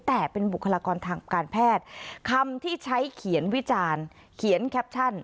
แต่เป็นบุคลากรทางการแพทย์คำที่ใช้เขียนวิจารณ์เขียนแคปชั่น